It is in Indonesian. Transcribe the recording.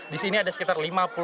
di sini ada sekitar lima puluh